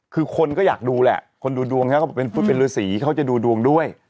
คือคนก็อยากดูแหละคนดูดวงเขาก็บอกเป็นพุทธเป็นฤษีเขาจะดูดวงด้วย